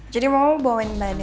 jadi mau lu bawain